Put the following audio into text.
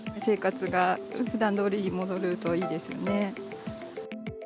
生活がふだんどおりに戻るといいですよね。